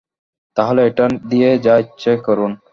তাহলে এটা দিয়ে যা ইচ্ছে করুন।